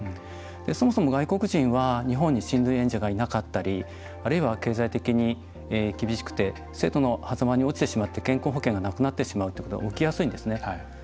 そもそも外国人は日本に支援者がいなかったりあるいは、経済的に厳しくて制度のはざまに落ちてしまって健康保険がなくなってしまうということが起きやすいんですね。